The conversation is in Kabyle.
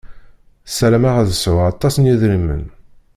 Sarameɣ ad sɛuɣ aṭas n yedrimen.